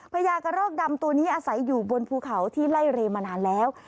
ญากระรอกดำตัวนี้อาศัยอยู่บนภูเขาที่ไล่เรมานานแล้ว